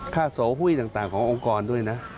ค่าโสหุ้ยต่างขององค์กรด้วยนะ